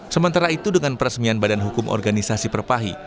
sementara itu dengan peresmian badan hukum organisasi perpahi